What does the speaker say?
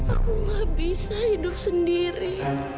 aku gak bisa hidup sendiri